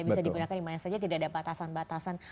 bisa digunakan dimana saja tidak ada batasan batasan